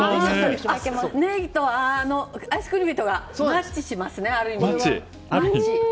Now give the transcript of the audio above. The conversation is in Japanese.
ネギとアイスクリームとがマッチしますね、ある意味。